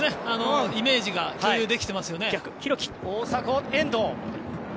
イメージが共有できていますね。